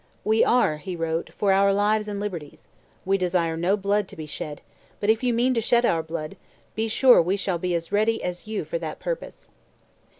"We are," he wrote, "for our lives and liberties. We desire no blood to be shed, but if you mean to shed our blood, be sure we shall be as ready as you for that purpose."